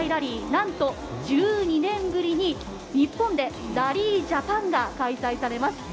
なんと１２年ぶりに日本でラリージャパンが開催されます。